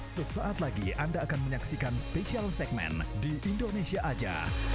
sesaat lagi anda akan menyaksikan spesial segmen di indonesia aja